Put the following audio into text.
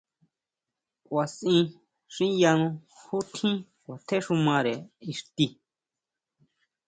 Kʼuasin xiyano ju tjín kjuatéxumare ixti.